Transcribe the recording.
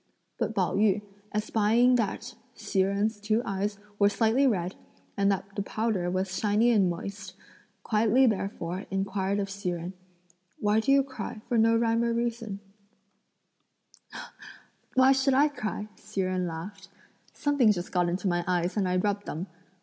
But Pao yü, espying that Hsi Jen's two eyes were slightly red, and that the powder was shiny and moist, quietly therefore inquired of Hsi Jen, "Why do you cry for no rhyme or reason?" "Why should I cry?" Hsi Jen laughed; "something just got into my eyes and I rubbed them."